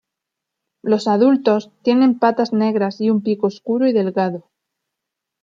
Los adultos tienen patas negras y un pico oscuro y delgado.